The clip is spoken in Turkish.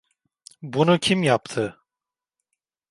Bunu kim yaptı?